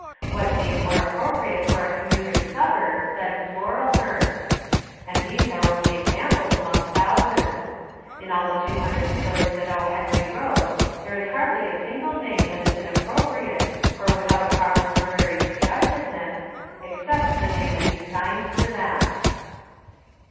What name more appropriate for a commuter's suburb than Floralhurst? And these are only examples among thousands. In all the two hundred stories that O. Henry wrote, there is hardly a single name that is inappropriate or without a proper literary sug gestiveness, except the name that he signed to them.